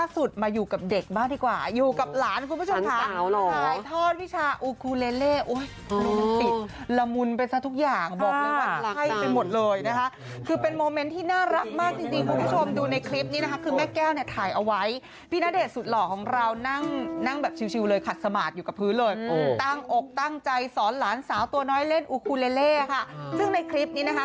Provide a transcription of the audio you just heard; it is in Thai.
สาวตัวน้อยเล่นอุคูเลเลค่ะซึ่งในคลิปนี้นะคะ